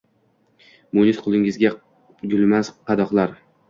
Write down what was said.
Munis qulingizda gulmas qadoqlar